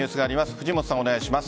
藤本さん、お願いします。